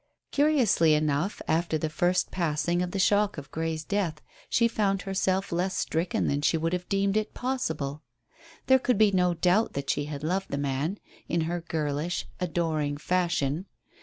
Curiously enough, after the first passing of the shock of Grey's death she found herself less stricken than she would have deemed it possible. There could be no doubt that she had loved the man in her girlish, adoring fashion.